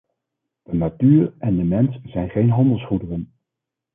De natuur en de mens zijn geen handelsgoederen.